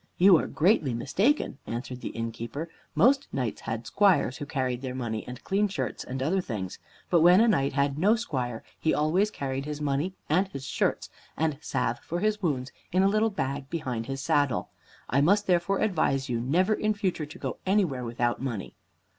"You are greatly mistaken," answered the innkeeper. "Most knights had squires, who carried their money and clean shirts and other things. But when a knight had no squire, he always carried his money and his shirts, and salve for his wounds, in a little bag behind his saddle. I must therefore advise you never in future to go anywhere without money."